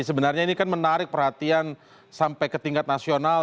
sebenarnya ini kan menarik perhatian sampai ke tingkat nasional